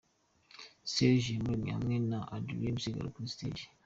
Serge Iyamuremye hamwe na Adrien Misigaro kuri stage.